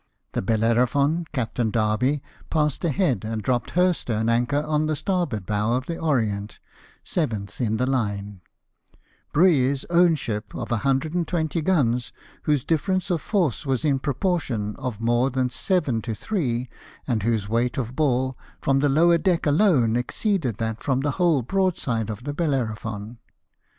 The Bellerophon, Captain Darby, passed ahead, and dropped her stern anchor on the starboard bow of the Orient, seventh in the line, Brueys' own ship, of 120 guns, whose difference of force was in proportion of more than seven to three, and whose weight of ball, from the lower deck alone, exceeded that from the whole broadside of the Bellerophon.